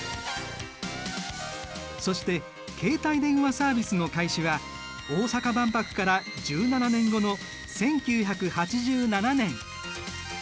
そして携帯電話サービスの開始は大阪万博から１７年後の１９８７年。